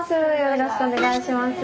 よろしくお願いします。